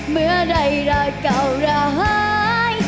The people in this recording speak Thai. เมื่อได้รักเก่าและให้